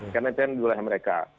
karena itu yang diulangi mereka